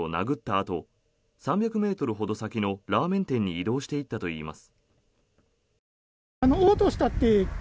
あと３００ｍほど先のラーメン店に移動していったといいます。